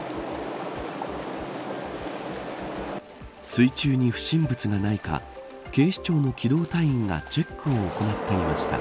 水中に不審物がないか警視庁の機動隊員がチェックを行っていました。